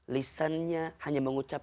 lisannya hanya mengucap